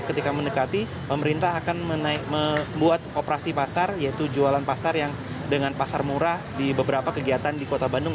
ketika mendekati pemerintah akan membuat operasi pasar yaitu jualan pasar yang dengan pasar murah di beberapa kegiatan di kota bandung